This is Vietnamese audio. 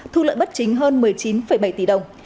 thu lợi bất chính hơn một mươi chín bảy tỷ đồng